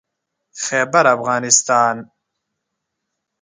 خيبرافغانستان